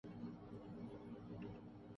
تو انہیں ملک میں آنا ہو گا۔